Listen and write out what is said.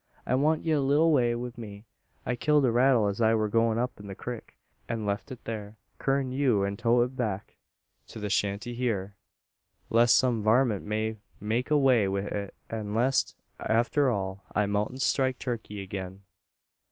"I want ye a leetle way wi' me. I killed a rattle as I wur goin' up the crik, an left it thur. Kum you, an toat it back to the shanty hyur, lest some varmint may make away wi' it; an lest, arter all, I moutn't strike turkey agin."